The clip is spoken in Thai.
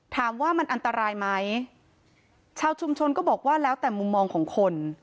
ถามว่ามันอันตรายไหมชาวชุมชนก็บอกว่าแล้วแต่มุมมองของคน